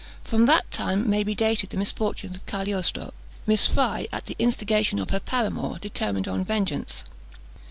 From that time may be dated the misfortunes of Cagliostro. Miss Fry, at the instigation of her paramour, determined on vengeance.